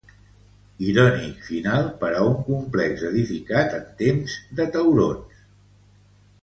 Irònic final per a un complex edificat en temps de taurons.